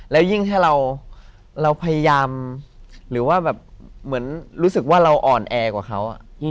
แล้วยิ่งถ้าเราพยายามหรือว่าแบบเหมือนรู้สึกว่าเราอ่อนแอกว่าเขา